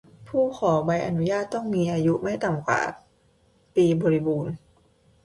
ผู้ขอรับใบอนุญาตต้องมีอายุไม่ต่ำกว่า ปีบริบูรณ์